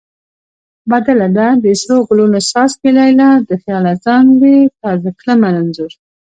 بدله ده: د سرو ګلونو څانګې لیلا د خیاله زانګې تا زه کړمه رنځور